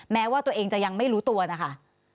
แม้ว่าตัวเองจะยังไม่รู้ตัวนะคะ